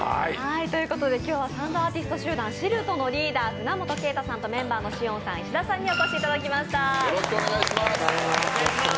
ということで今日はサンドアーティスト集団のＳＩＬＴのリーダー、船本さんとメンバーの紫苑さん、石田さんにお越しいただきました。